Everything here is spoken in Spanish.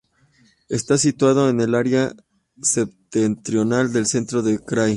Está situado en el área septentrional del centro del krai.